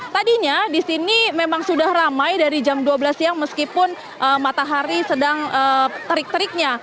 tadinya di sini memang sudah ramai dari jam dua belas siang meskipun matahari sedang terik teriknya